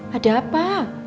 hah ada apa